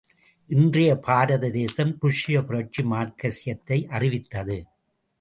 இன்றைய பாரத தேசம் ருஷ்யப் புரட்சி மார்க்சியத்தை அறிவித்தது.